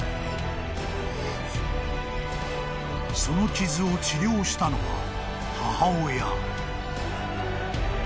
［その傷を治療したのは母親］